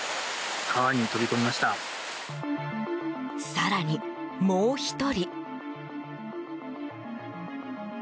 更に、もう１人。